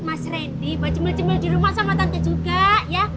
mas reddy mbak cemil cemil di rumah sama tante juga ya